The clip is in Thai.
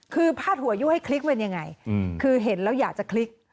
คือพาดหัวยู่ให้คลิกเป็นยังไงคือเห็นแล้วอยากจะคลิก